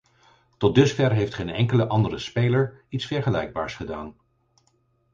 Tot dusver heeft geen enkele andere speler iets vergelijkbaars gedaan.